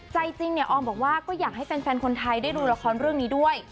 ใจจริงเนี่ยออมบอกว่าก็อยากให้แฟนคนไทยได้ดูละครเรื่องนี้ด้วย